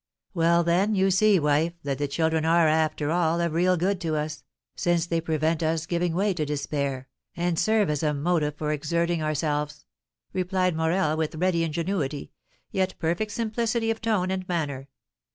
"Well, then, you see, wife, that the children are, after all, of real good to us, since they prevent us giving way to despair, and serve as a motive for exerting ourselves," replied Morel, with ready ingenuity, yet perfect simplicity of tone and manner.